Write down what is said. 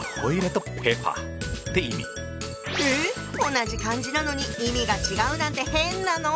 同じ漢字なのに意味が違うなんて変なの。